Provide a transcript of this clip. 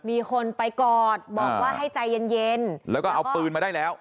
มีคนไปกอดบอกว่าให้ใจเย็นเย็นแล้วก็เอาปืนมาได้แล้ว